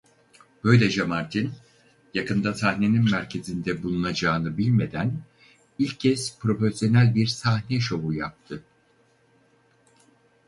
Böylece Martin yakında sahnenin merkezinde bulunacağını bilmeden ilk kez profesyonel bir sahne şovu yaptı.